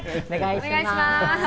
お願いします！